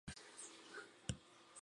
Suelen hacerse mal las tinciones.